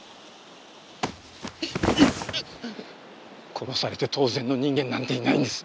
殺されて当然の人間なんていないんです。